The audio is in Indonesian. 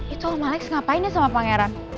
itu om alex ngapain ya sama pangeran